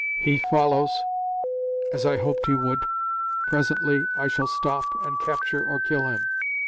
He follows, as I hoped he would. Presently I shall stop, and capture or kill him.